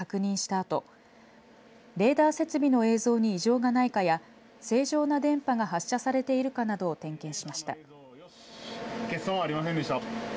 あとレーダー設備の映像に異常がないかや正常な電波が発射されているかなどを点検しました。